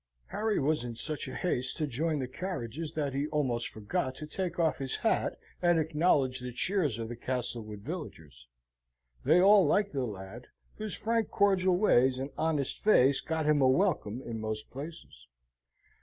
Harry was in such a haste to join the carriages that he almost forgot to take off his hat, and acknowledge the cheers of the Castlewood villagers: they all liked the lad, whose frank cordial ways and honest face got him a welcome in most places.